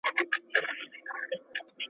که دولت عاجز سي جزيه ساقطيږي.